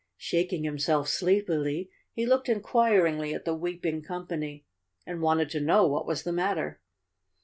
Shaking himself sleepily, he looked inquir¬ ingly at the weeping company and wanted to know what was the matter.